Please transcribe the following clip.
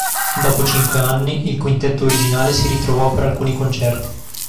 Dopo cinque anni, il quintetto originale si ritrovò per alcuni concerti.